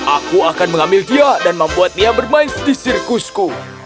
aku akan mengambil dia dan membuatnya bermain di sirkusku